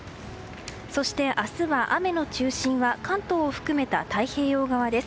そして明日は雨の中心は関東を含めた太平洋側です。